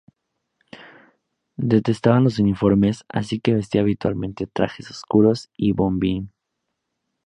Detestaba los uniformes, así que vestía habitualmente trajes oscuros y bombín.